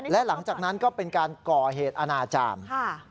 และหลังจากนั้นก็เป็นการก่อเหตุอนาจารย์